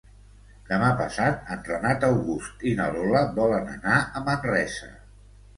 Demà passat en Renat August i na Lola volen anar a Manresa.